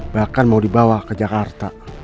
bahkan mau dibawa ke jakarta